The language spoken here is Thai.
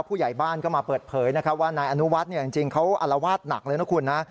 ผู้ใหญ่บ้านก็มาเปิดเผยนะครับว่านายอนุวัฒน์จริงเขาอารวาสหนักเลยนะคุณนะ